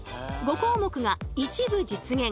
５項目が一部実現